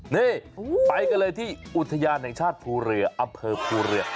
นี่ไปกันเลยที่อุทยานแห่งชาติภูเรืออำเภอภูเรือ